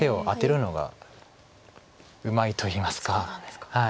そうなんですか。